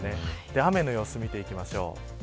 雨の様子を見ていきましょう。